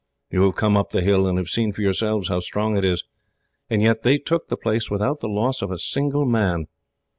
You have come up the hill, and have seen for yourselves how strong it is; and yet they took the place without the loss of a single man.